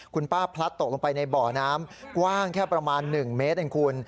คุณป้าพลัดตกลงไปในบ่อน้ำกว้างแค่ประมาณ๑เมตรเองคุณ